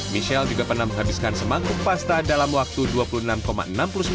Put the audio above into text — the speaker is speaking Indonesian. michelle juga pernah menghabiskan semangkuk pasta dalam waktu tiga menit